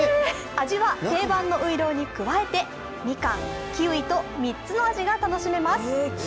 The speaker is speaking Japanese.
味は定番のういろうに加えて、みかん、キウイと３つの味が楽しめます。